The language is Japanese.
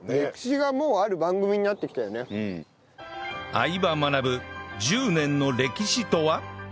『相葉マナブ』１０年の歴史とは？